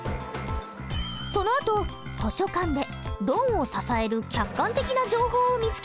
そのあと図書館で論を支える客観的な情報を見つけました。